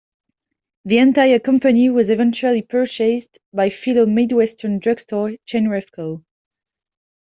The entire company was eventually purchased by fellow Midwestern drugstore chain Revco.